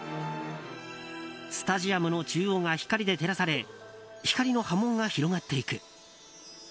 スタジアムの中央が光で照らされ光の波紋が広がっていく。